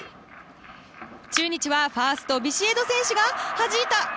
中日は、ファーストビシエド選手がはじいた！